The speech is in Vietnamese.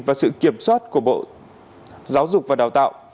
và sự kiểm soát của bộ giáo dục và đào tạo